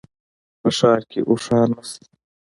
په ښار کي اوښان نشته